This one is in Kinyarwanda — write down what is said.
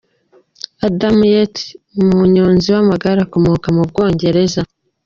Adam Yates, umunyozi w’amagare ukomoka mu Bwongereza .